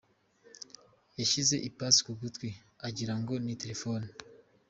Yashyize ipasi ku gutwi agira ngo ni telefoni